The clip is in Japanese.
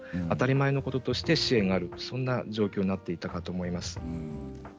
当たり前のこととして支援があるそんな状況になっていったかと思います。